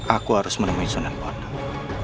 aku harus menemui sunan bonang